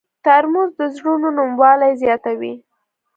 ترموز د زړونو نرموالی زیاتوي.